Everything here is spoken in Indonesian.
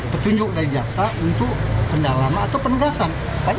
petunjuk dari jaksa untuk pendalaman atau penegasan